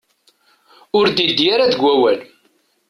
Ur d-yeddi ara deg wawal.